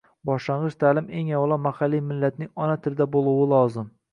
boshlang'ich ta`lim eng avvalo mahalliy millatlarning ona tilida bo'luvi lozim